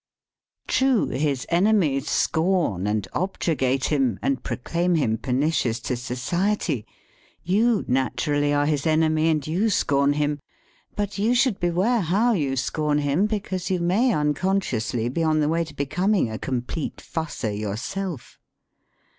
True, his enemies scorn and objurgate him, and proclaim him pernicious to society. You natu rally are his enemy, and you scorn him. But you should beware how you scorn him, because you may unconsciously be on the way to becoming a complete fusser yourself.